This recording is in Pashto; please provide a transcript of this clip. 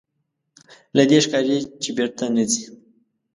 له دې ښکاري چې بېرته نه ځې.